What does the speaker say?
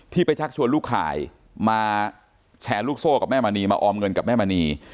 ไปชักชวนลูกขายมาแชร์ลูกโซ่กับแม่มณีมาออมเงินกับแม่มณี